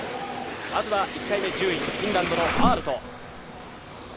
まずは１回目１０位、フィンランドのアールト。